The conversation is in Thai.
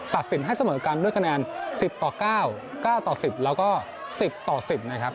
ตัดสินให้เสมอกันด้วยคะแนนสิบต่อเก้าเก้าต่อสิบแล้วก็สิบต่อสิบนะครับ